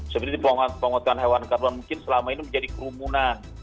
seperti diponggotan hewan karbon mungkin selama ini menjadi kerumunan